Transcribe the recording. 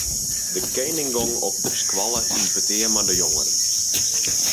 De kening gong op de skoalle yn petear mei de jongeren.